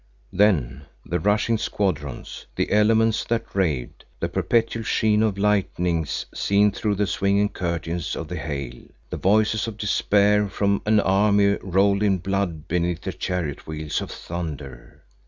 Then the rushing squadrons, the elements that raved, the perpetual sheen of lightnings seen through the swinging curtains of the hail; the voices of despair from an army rolled in blood beneath the chariot wheels of thunder.